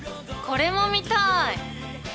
これも見たい。